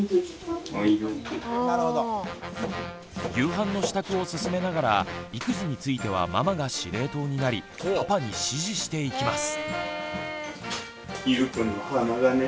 夕飯の支度を進めながら育児についてはママが司令塔になりパパに指示していきます。